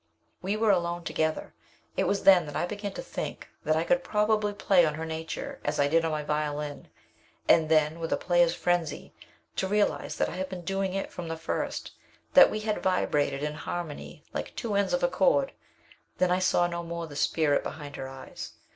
"We were alone together. It was then that I began to think that I could probably play on her nature as I did on my violin, and then, with a player's frenzy, to realize that I had been doing it from the first; that we had vibrated in harmony like two ends of a chord. Then I saw no more the spirit behind her eyes.